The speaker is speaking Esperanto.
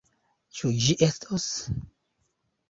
Ĉu ĝi estos?